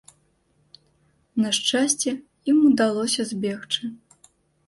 На шчасце, ім удалося збегчы.